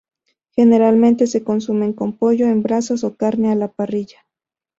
Generalmente se consumen con pollo en brasas o carne asada a la parrilla.